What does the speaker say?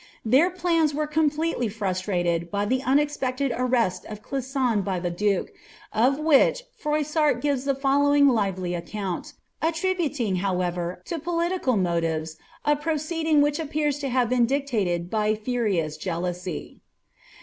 Their pUns were completely frustrated by the unexpected arrest of Clisson by the duke/ of which Froissart gives the following lively account; attributing, however, to political motives a proceeding which appears to liave been dictated by furious jealousy.